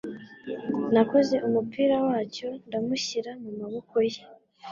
Nakoze umupira wacyo ndamushyira mumaboko ye